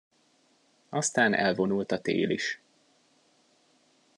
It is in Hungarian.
Aztán elvonult a tél is.